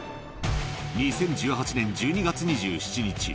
２０１８年１２月２７日。